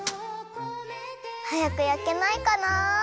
はやく焼けないかなあ。